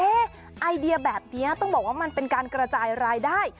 ไอเดียแบบนี้ต้องบอกว่ามันเป็นการกระจายรายได้